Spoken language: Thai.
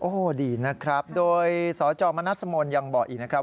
โอ้โหดีนะครับโดยสจมนัสมนต์ยังบอกอีกนะครับ